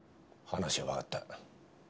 話はわかった。